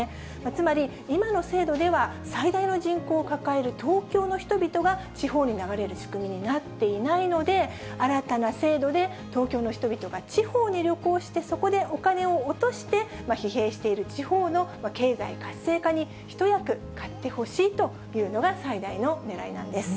つまり、今の制度では最大の人口を抱える東京の人々が、地方に流れる仕組みになっていないので、新たな制度で東京の人々が地方に旅行して、そこでお金を落として、疲弊している地方の経済活性化に一役買ってほしいというのが、最大のねらいなんです。